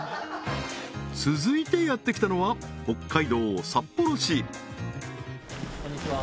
続いてやって来たのは北海道札幌市こんにちは